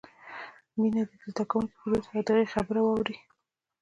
مينه دې د زدکونکې په دود د هغه خبرې واوري.